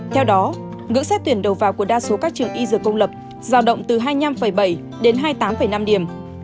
theo đó ngưỡng xét tuyển đầu vào của đa số các trường y dược công lập giao động từ hai mươi năm bảy đến hai mươi tám năm điểm